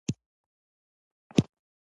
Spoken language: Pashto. غریب له زوره نه، له دعاو ژوندی وي